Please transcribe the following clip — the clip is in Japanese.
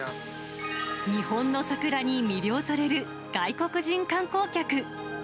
日本の桜に魅了される外国人観光客。